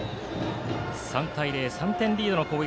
３対０、３点リードの攻撃